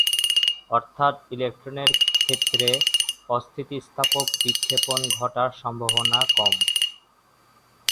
অর্থাৎ ইলেক্ট্রনের ক্ষেত্রে অস্থিতিস্থাপক বিক্ষেপণ ঘটার সম্ভাবনা কম।